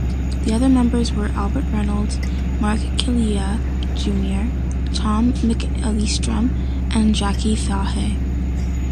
The other members were Albert Reynolds, Mark Killilea, Junior, Tom McEllistrim and Jackie Fahey.